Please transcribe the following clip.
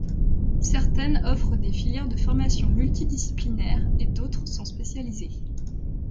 Certaines offrent des filères de formation mutidisciplinaires et d'autres sont spécialiées.